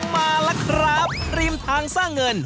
มาแล้วครับริมทางสร้างเงิน